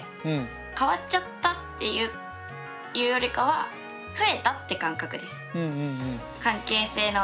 変わっちゃったっていうよりかは増えたって感覚です。